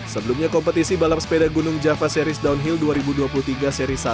sebelumnya kompetisi balap sepeda gunung java series downhill dua ribu dua puluh tiga seri satu